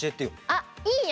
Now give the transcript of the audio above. あっいいよ！